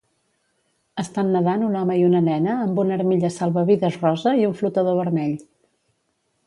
Estan nadant un home i una nena amb una armilla salvavides rosa i un flotador vermell.